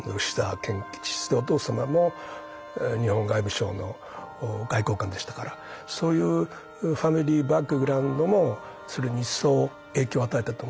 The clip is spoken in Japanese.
お父様も日本外務省の外交官でしたからそういうファミリーバックグラウンドもそれに一層影響を与えたと思いますね。